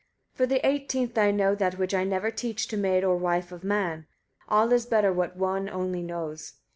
165. For the eighteenth I know that which I never teach to maid or wife of man, (all is better what one only knows.